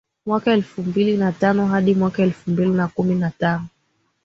mwaka elfu mbili na tano hadi mwaka elfu mbili na kumi na tano